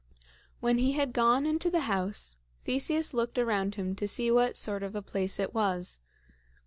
When he had gone into the house, Theseus looked around him to see what sort of a place it was.